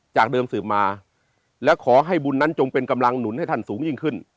จากเดิมสืบมาและขอให้บุญนั้นจงเป็นกำลังหนุนให้ท่านสูงยิ่งขึ้น